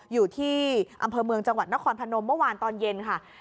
อยู่ที่อำเภอเมืองจังหวัดนครพนมเมื่อวานตอนเย็นค่ะ